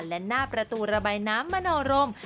และหน้าประตูระบายน้ำมโนรม